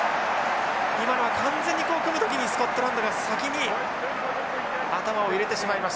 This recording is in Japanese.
今のは完全に組む時にスコットランドが先に頭を入れてしまいました。